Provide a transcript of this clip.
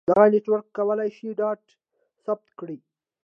دغه نیټورک کولای شي ډاټا ثبت کړي.